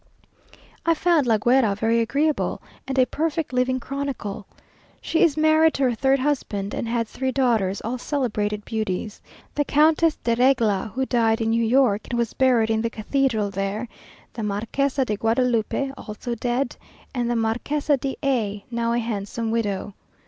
] I found La Guera very agreeable, and a perfect living chronicle. She is married to her third husband, and had three daughters, all celebrated beauties; the Countess de Regla, who died in New York, and was buried in the cathedral there; the Marquesa de Guadalupe, also dead, and the Marquesa de A a, now a handsome widow.